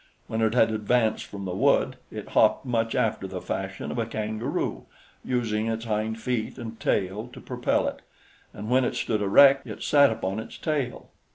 When it had advanced from the wood, it hopped much after the fashion of a kangaroo, using its hind feet and tail to propel it, and when it stood erect, it sat upon its tail.